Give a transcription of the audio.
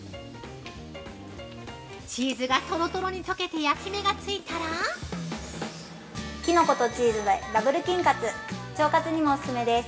◆チーズがとろとろに溶けて焼き目がついたらきのことチーズでＷ菌活腸活にもお勧めです。